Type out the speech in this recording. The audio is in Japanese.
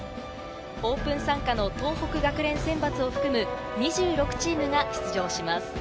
オープン参加の東北学連選抜を含め２６チームが出場します。